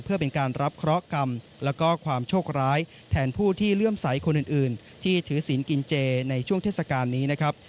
เพื่อเป็นการรับเคราะห์กรรมแล้วก็ความโชคร้ายแทนผู้ที่เลื่อมใสคนอื่นที่ถือศีลกินเจในช่วงเทศกาลนี้นะครับ